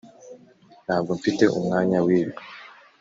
ntabwo mfite umwanya wibi.